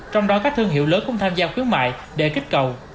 trong đó các thương hiệu lớn cũng tham gia khuyến mại để kích cầu